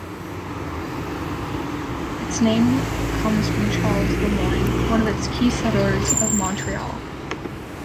Its name comes from Charles Le Moyne, one of the key settlers of Montreal.